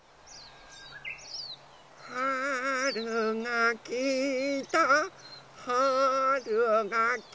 「はるがきたはるがきた」